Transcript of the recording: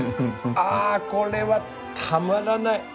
あこれはたまらない！